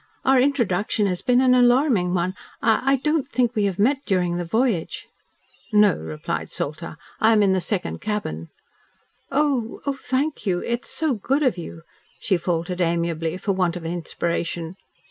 Our introduction has been an alarming one. I I don't think we have met during the voyage." "No," replied Salter. "I am in the second cabin." "Oh! thank you. It's so good of you," she faltered amiably, for want of inspiration.